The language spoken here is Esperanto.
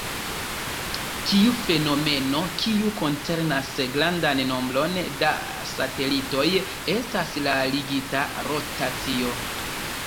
Tiu fenomeno, kiu koncernas grandan nombron da satelitoj, estas la ligita rotacio.